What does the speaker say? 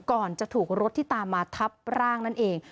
ก่อนจะถูกรถที่ตามมาทับร่างนั่นเอง